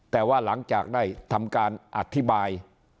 แต่ว่าหลังจากได้ทำการอธิบาย